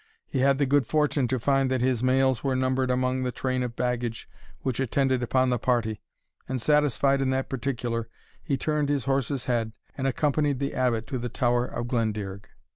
He had the good fortune to find that his mails were numbered among the train of baggage which attended upon the party; and, satisfied in that particular, he turned his horse's head, and accompanied the Abbot to the Tower of Glendearg.